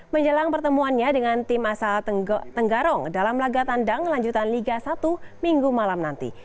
menjelang pertemuannya dengan tim asal tenggarong dalam laga tandang lanjutan liga satu minggu malam nanti